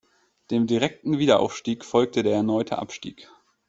Dem direkten Wiederaufstieg folgte der erneute Abstieg.